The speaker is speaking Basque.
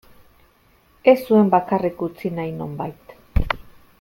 Ez zuen bakarrik utzi nahi, nonbait.